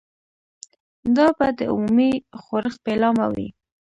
دا به د عمومي ښورښ پیلامه وي.